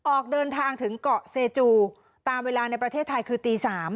ออกเดินทางถึงเกาะเซจูตามเวลาในประเทศไทยคือตี๓